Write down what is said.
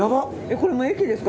これもう駅ですか？